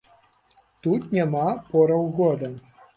Тут няма пораў года.